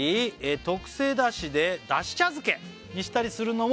「特製だしでだし茶漬けにしたりするのも」